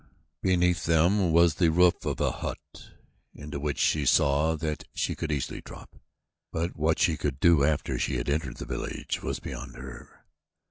Beneath them was the roof of a hut onto which she saw that she could easily drop, but what she could do after she had entered the village was beyond her.